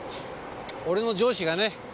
俺の上司がね